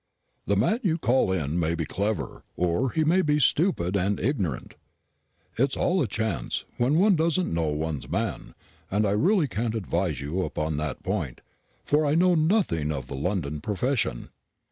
The man you call in may be clever, or he may be stupid and ignorant. It's all a chance, when one doesn't know one's man; and I really can't advise you upon that point, for I know nothing of the London profession."